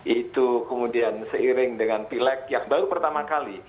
itu kemudian seiring dengan pilek yang baru pertama kali